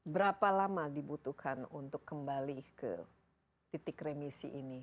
berapa lama dibutuhkan untuk kembali ke titik remisi ini